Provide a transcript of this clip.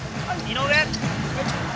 井上。